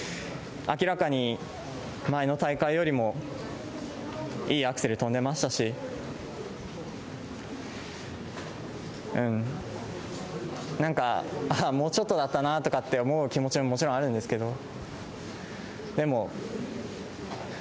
明らかに前の大会よりも、いいアクセル跳んでましたし、うん、なんか、もうちょっとだったなとかって思う気持ちももちろんあるんですけ